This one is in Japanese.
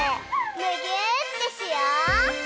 むぎゅーってしよう！